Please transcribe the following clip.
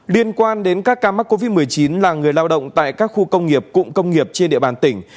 liên quan đến các ca mắc covid một mươi chín là người lao động tại các khu công nghiệp cụm công nghiệp trên địa bàn tỉnh